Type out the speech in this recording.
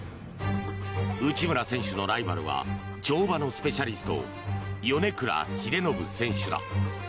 内村選手のライバルは跳馬のスペシャリスト米倉英信選手だ。